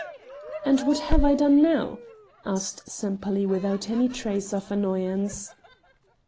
"And what have I done now?" asked Sempaly without any trace of annoyance.